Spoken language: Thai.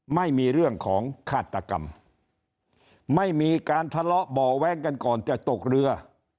ไม่มีเรื่องของฆาตกรรมไม่มีการทะเลาะเบาะแว้งกันก่อนจะตกเรือ